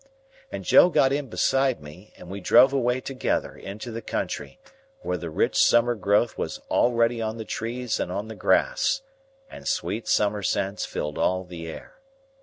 And Joe got in beside me, and we drove away together into the country, where the rich summer growth was already on the trees and on the grass, and sweet summer scents filled all the air.